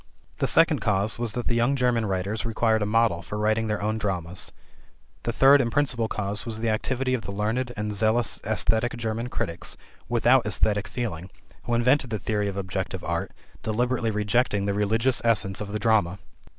The second cause was that the young German writers required a model for writing their own dramas. The third and principal cause was the activity of the learned and zealous esthetic German critics without esthetic feeling, who invented the theory of objective art, deliberately rejecting the religious essence of the drama.